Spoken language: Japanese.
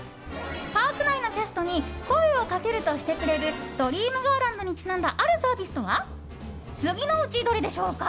パーク内のキャストに声をかけるとしてくれるドリームガーランドにちなんだあるサービスとは次のうちどれでしょうか？